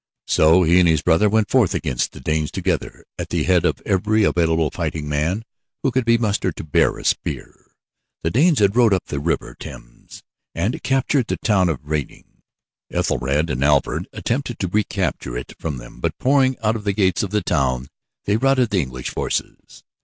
So he and his brother went forth against the Danes together at the head of every available fighting man who could be mustered to bear a spear. The Danes had rowed up the River Thames and captured the town of Reading. Ethelred and Alfred attempted to recapture it from them, but pouring out of the gates of the town they routed the English forces.